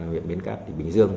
huyện bến cát bình dương